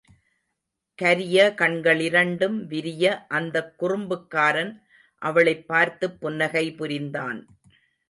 கரிய கண்களிரண்டும் விரிய அந்தக் குறும்புக்காரன் அவளைப் பார்த்துப் புன்னகை புரிந்தான்.